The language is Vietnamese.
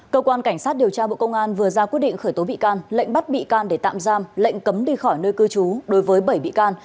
cơ quan cảnh sát điều tra bộ công an vừa ra quyết định khởi tố bị can lệnh bắt bị can để tạm giam lệnh cấm đi khỏi nơi cư trú đối với bảy bị can